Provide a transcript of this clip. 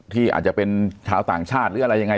ที่อาจจะเป็นชาวต่างชาติหรืออะไรยังไง